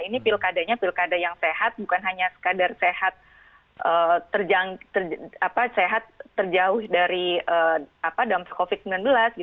ini pilkadanya pilkada yang sehat bukan hanya sekadar sehat terjauh dari dampak covid sembilan belas